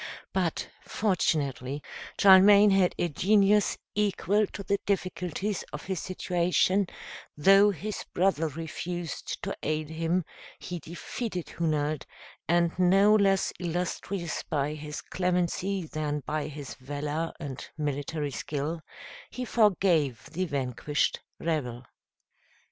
But fortunately, Charlemagne had a genius equal to the difficulties of his situation; though his brother refused to aid him, he defeated Hunald; and no less illustrious by his clemency than by his valor and military skill, he forgave the vanquished rebel.